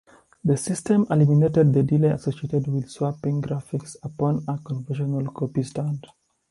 This system eliminated the delay associated with swapping graphics upon a conventional copy stand.